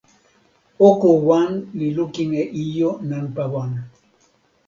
oko wan li lukin e ijo nanpa wan.